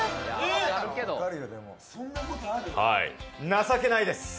情けないです！